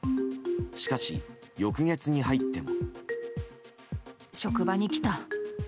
しかし、翌月に入っても。